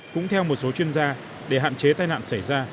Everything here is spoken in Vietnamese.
cũng theo một số chuyên gia để hạn chế tai nạn xảy ra